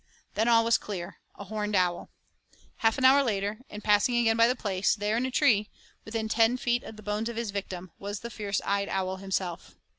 Then all was clear a horned owl. Half an hour later, in passing again by the place, there, in a tree, within ten feet of the bones of his victim, was the fierce eyed owl himself.